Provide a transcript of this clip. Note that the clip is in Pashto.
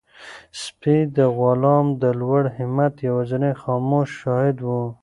سپی د غلام د لوړ همت یوازینی خاموش شاهد و.